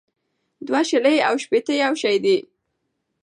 دوه شلې او ښپيته يو شٸ دى